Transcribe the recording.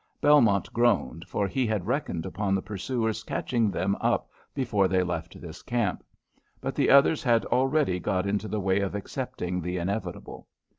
Belmont groaned, for he had reckoned upon the pursuers catching them up before they left this camp. But the others had already got into the way of accepting the inevitable.